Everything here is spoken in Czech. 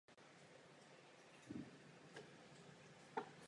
Jeho bratr Šimon Stránský je taktéž aktivním hokejistou.